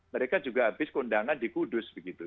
mereka juga habis keundangan di kudus begitu